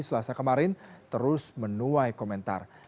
selasa kemarin terus menuai komentar